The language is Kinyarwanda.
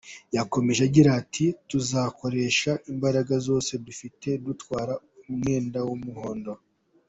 Yakomeje agira ati “Tuzakoresha imbaraga zose dufite dutware umwenda w’umuhondo.